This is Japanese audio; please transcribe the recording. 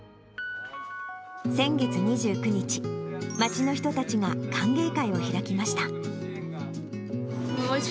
先月２９日、町の人たちが歓迎会を開きました。